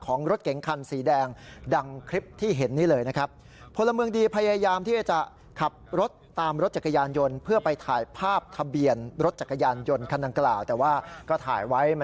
รถเก๋งคันสีแดงดังคลิปที่เห็นนี่เลยนะครับ